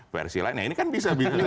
versi lainnya ini kan bisa bisa seperti itu